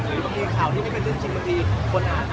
หรือบางทีข่าวที่ไม่เป็นเรื่องจริงมันเป็นคนอ่าน